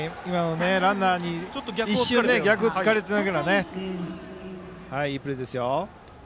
ランナーに一瞬、逆を突かれながらですがいいプレーですよ。